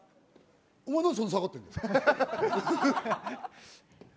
お前なんで下がってんだよ。